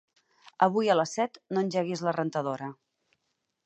Avui a les set no engeguis la rentadora.